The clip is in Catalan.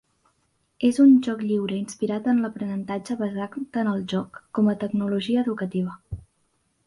És un joc lliure inspirat en l'Aprenentatge basat en el joc, com a tecnologia educativa.